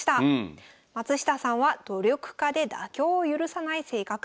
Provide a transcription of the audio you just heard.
松下さんは努力家で妥協を許さない性格